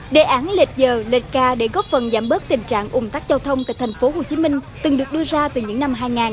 đề án lệch giờ lệt ca để góp phần giảm bớt tình trạng ủng tắc giao thông tại tp hcm từng được đưa ra từ những năm hai nghìn